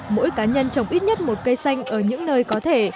mỗi cá nhân trồng ít nhất một cây xanh ở những nơi có thể